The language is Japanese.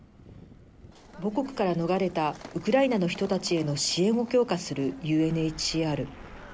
母国から逃れたウクライナの人たちへの支援を強化するＵＮＨＣＲ。